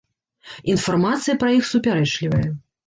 Інфармацыя пра іх супярэчлівая.